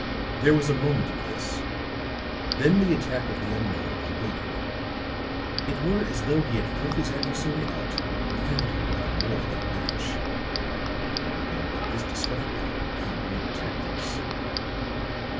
There was a moment of this, then the attack of the unknown abated; it were as though he had felt his adversary out and found him rather more than a match. And with this discovery came new tactics.